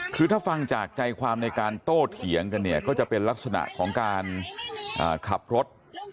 คือถ้าฟังจากใจความในการโตเถียงกันเนี่ยก็จะเป็นลักษณะของการขับรถ